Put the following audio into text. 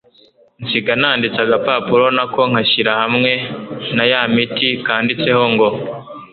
nsiga nanditse agapapuro nako nkashyira hamwe na ya miti kanditse ngo